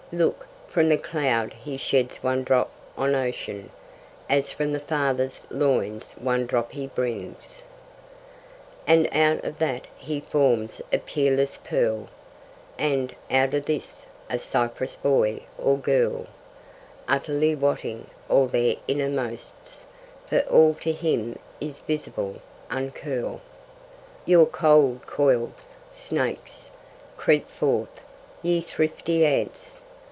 Look! from the cloud He sheds one drop on ocean, As from the Father's loins one drop He brings; And out of that He forms a peerless pearl, And, out of this, a cypress boy or girl; Utterly wotting all their innermosts, For all to Him is visible! Uncurl Your cold coils, Snakes! Creep forth, ye thrifty Ants!